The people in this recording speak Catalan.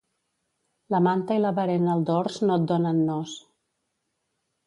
La manta i la berena al dors no et donen nos.